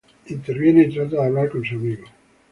Interviene, y trata de hablar con su amigo.